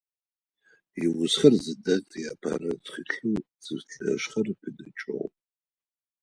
Иусэхэр зыдэт иапэрэ тхылъэу «Цӏыф лъэшхэр» къыдэкӏыгъ.